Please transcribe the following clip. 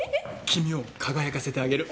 君を輝かせてあげる。